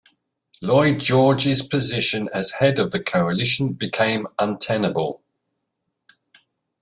Lloyd George's position as head of the coalition became untenable.